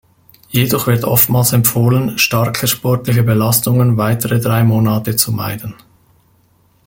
Jedoch wird oftmals empfohlen, starke sportliche Belastungen weitere drei Monate zu meiden.